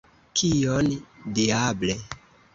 Kion, diable!